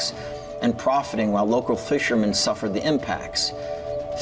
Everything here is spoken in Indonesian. sementara penjualan di luar negara menerima kesan